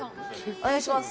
お願いします。